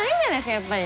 やっぱり。